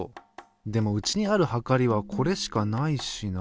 でもうちにあるはかりはこれしかないしな。